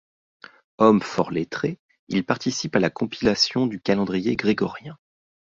Homme fort lettré, il participe à la compilation du calendrier grégorien.